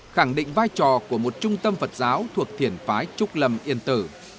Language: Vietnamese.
khẳng định vai trò của một trung tâm phật giáo thuộc thiền phái trúc lâm yên tử